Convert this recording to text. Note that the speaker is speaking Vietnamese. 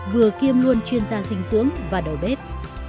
vừa kiêm luôn chuyên gia dinh dưỡng và đầu bếp